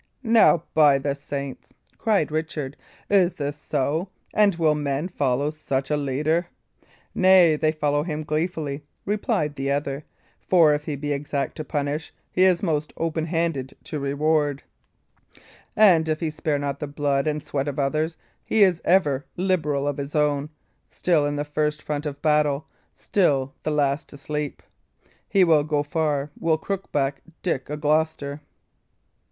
"Now, by the saints!" cried Richard, "is this so? And will men follow such a leader?" "Nay, they follow him gleefully," replied the other; "for if he be exact to punish, he is most open handed to reward. And if he spare not the blood and sweat of others, he is ever liberal of his own, still in the first front of battle, still the last to sleep. He will go far, will Crookback Dick o' Gloucester!"